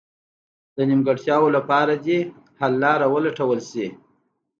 د نیمګړتیاوو لپاره حل لاره ولټول شي.